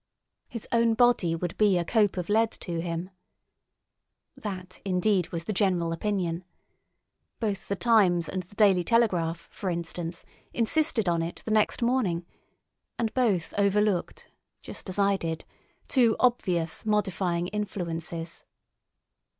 His own body would be a cope of lead to him, therefore. That, indeed, was the general opinion. Both The Times and the Daily Telegraph, for instance, insisted on it the next morning, and both overlooked, just as I did, two obvious modifying influences.